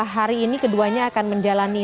hari ini keduanya akan menjalani